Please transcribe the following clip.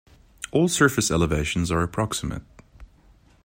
All surface elevations are approximate.